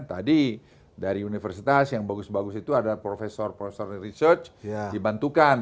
tadi dari universitas yang bagus bagus itu ada profesor profesor research dibantukan